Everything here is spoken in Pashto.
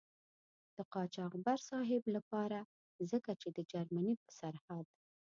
د قاچاقبر صاحب له پاره ځکه چې د جرمني په سرحد.